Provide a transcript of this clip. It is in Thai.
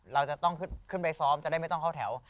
เราจะต้องขึ้นไปซ้อมจะได้ไม่ต้องเข้าแถว